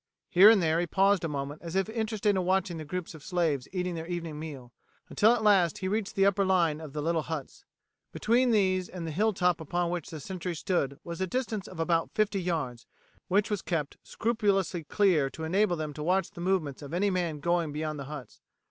Here and there he paused a moment as if interested in watching the groups of slaves eating their evening meal, until at last he reached the upper line of little huts. Between these and the hill top upon which the sentries stood was a distance of about fifty yards, which was kept scrupulously clear to enable them to watch the movements of any man going beyond the huts.